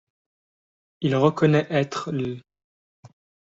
Il reconnaît être l'.